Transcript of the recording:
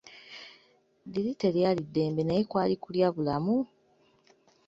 Liri teryali ddembe, naye kwali kulya bulamu!